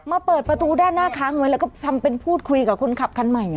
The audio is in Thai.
เปิดประตูด้านหน้าค้างไว้แล้วก็ทำเป็นพูดคุยกับคนขับคันใหม่